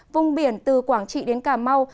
vùng biển từ quảng trị đến cà mau